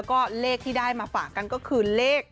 และก็เลขที่ได้มาฝากกันคือ๐๑๙